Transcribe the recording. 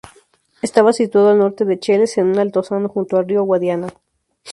Estaba situado al norte de Cheles, en un altozano junto al río Guadiana.